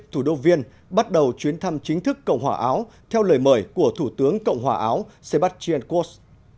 thủ đô viên bắt đầu chuyến thăm chính thức cộng hòa áo theo lời mời của thủ tướng cộng hòa áo sebastien kos